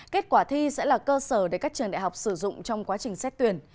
kết quả thi sẽ là cơ sở để các trường đại học sử dụng trong quá trình xét tuyển